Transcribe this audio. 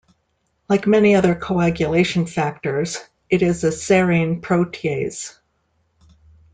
Like many other coagulation factors, it is a serine protease.